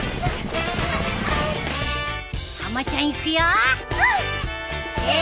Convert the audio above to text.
たまちゃん行くよー！